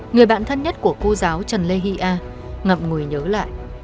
người bạn thân nhất của cô giáo trần lê hy a ngậm người nhớ lại